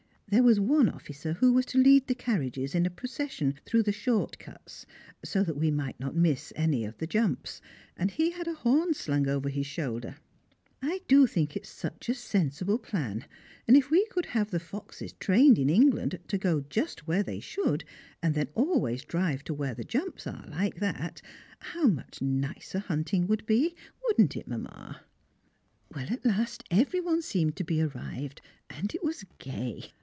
There was one officer who was to lead the carriages in a procession through the short cuts, so that we might not miss any of the jumps, and he had a horn slung over his shoulder. I do think it such a sensible plan; and if we could have the foxes trained in England to go just where they should, and then always drive to where the jumps are, like that, how much nicer hunting would be wouldn't it, Mamma? [Sidenote: Better than Fox hunting] Well, at last every one seemed to be arrived, and it was gay.